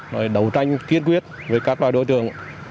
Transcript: rồi đấu tranh kiên quyết với các loài đối tượng